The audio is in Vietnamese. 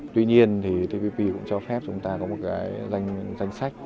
tuy nhiên thì tpp cũng cho phép chúng ta có một cái danh sách